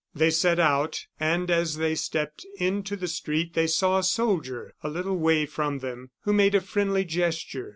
They set out, and as they stepped into the street they saw a soldier a little way from them, who made a friendly gesture.